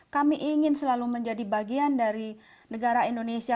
kami ingin selalu menjadi bagian dari negara indonesia